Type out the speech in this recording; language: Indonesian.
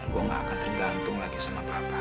dan gue gak akan tergantung lagi sama papa